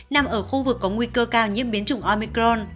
nằm ở khu vực có nguy cơ cao nhiễm biến chủng omicron